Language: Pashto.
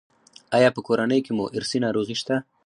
ایا په کورنۍ کې مو ارثي ناروغي شته؟